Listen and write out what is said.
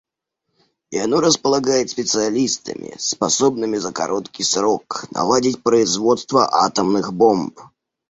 И оно располагает специалистами, способными за короткий срок наладить производство атомных бомб.